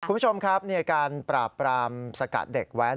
คุณผู้ชมครับการปราบปรามสกัดเด็กแว้น